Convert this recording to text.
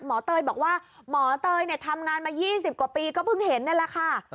เตยบอกว่าหมอเตยทำงานมา๒๐กว่าปีก็เพิ่งเห็นนั่นแหละค่ะ